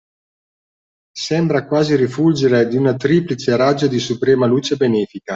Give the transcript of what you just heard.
Sembra quasi rifulgere di un triplice raggio di suprema luce benefica